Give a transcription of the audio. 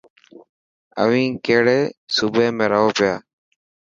اوين ڪهڙي صوبي ۾ رهو پيا.